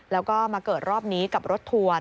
แล้วก็มาเกิดรอบนี้กับรถทัวร์